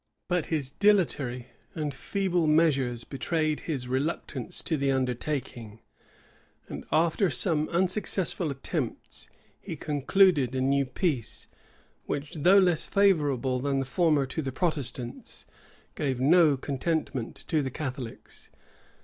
But his dilatory and feeble measures betrayed his reluctance to the undertaking; and after some unsuccessful attempts, he concluded a new peace, which, though less favorable than the former to the Protestants, gave no contentment to the Catholics.